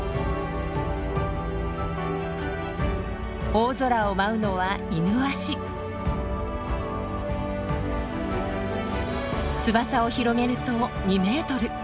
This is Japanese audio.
大空を舞うのは翼を広げると２メートル。